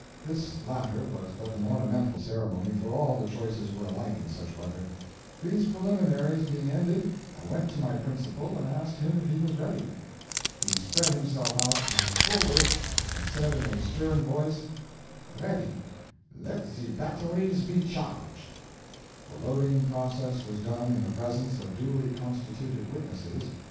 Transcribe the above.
This latter was but an ornamental ceremony, for all the choices were alike in such weather. These preliminaries being ended, I went to my principal and asked him if he was ready. He spread himself out to his full width, and said in a stern voice, "Ready! Let the batteries be charged." The loading process was done in the presence of duly constituted witnesses.